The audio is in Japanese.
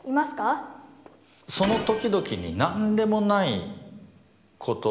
その時々に何でもないこと。